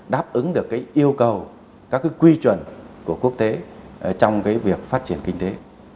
đáp ứng được yêu cầu các quy chuẩn của quốc tế trong việc phát triển kinh tế